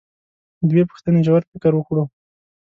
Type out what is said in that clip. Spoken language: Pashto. دوې پوښتنې ژور فکر وکړو.